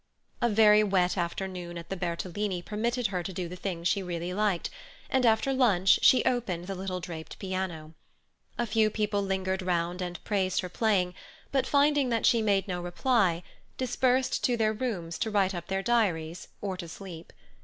A very wet afternoon at the Bertolini permitted her to do the thing she really liked, and after lunch she opened the little draped piano. A few people lingered round and praised her playing, but finding that she made no reply, dispersed to their rooms to write up their diaries or to sleep.